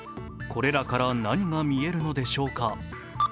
これらから何が見えるのでしょうか。